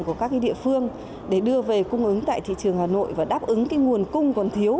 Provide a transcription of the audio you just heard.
của các địa phương để đưa về cung ứng tại thị trường hà nội và đáp ứng cái nguồn cung còn thiếu